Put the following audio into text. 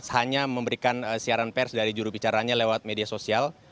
hanya memberikan siaran pers dari jurubicaranya lewat media sosial